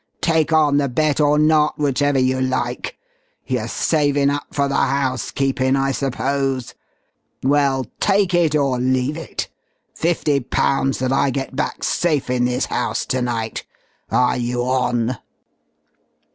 Take on the bet or not, whichever you like. You're savin' up for the housekeepin' I suppose. Well, take it or leave it fifty pounds that I get back safe in this house to night. Are you on?"